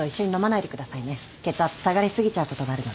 血圧下がり過ぎちゃうことがあるので。